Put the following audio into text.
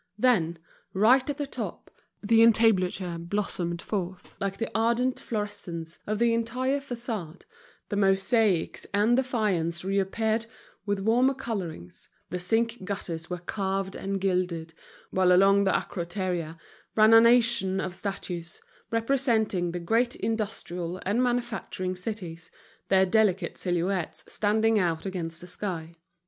Then, right at the top, the entablature blossomed forth like the ardent florescence of the entire façade, the mosaics and the faience reappeared with warmer colorings, the zinc gutters were carved and gilded, while along the acroteria ran a nation of statues, representing the great industrial and manufacturing cities, their delicate silhouettes standing out against the sky.